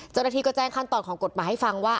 จนดังทีก็แจ้งขั้นตอนของกฎหมายให้ฟังว่า